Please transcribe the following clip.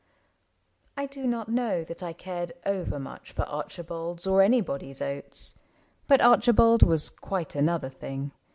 I do not know that I cared overmuch For Archibald's or anybody's oats. But Archibald was quite another thing.